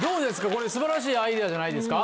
これ素晴らしいアイデアじゃないですか？